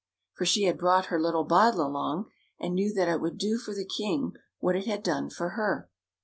For she had brought her little bottle along, and knew that it would do for the king what it had done for her.